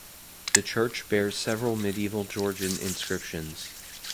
The church bears several medieval Georgian inscriptions.